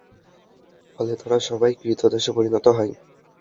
ফলে তারা সবাই ক্রীতদাসে পরিণত হয়।